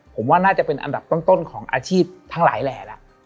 ผมว่าน่าจะเป็นอันดับต้นของอาชีพทั้งหลายแหล่แล้ว